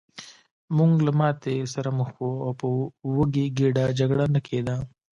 موږ له ماتې سره مخ وو او په وږې ګېډه جګړه نه کېده